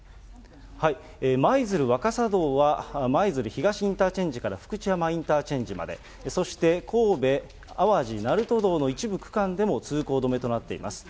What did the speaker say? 舞鶴若狭道は舞鶴東インターチェンジから福知山インターチェンジまで、そして、神戸淡路鳴門道の鳴門道の一部区間でも通行止めとなっています。